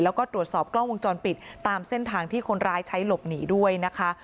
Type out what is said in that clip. แล้วก็ตรวจสอบกล้องวงจรปิดตามเส้นทางที่คนร้ายใช้หลบหนีด้วยนะคะ